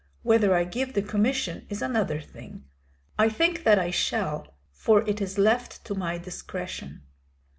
Whether I give the commission is another thing; I think that I shall, for it is left to my discretion."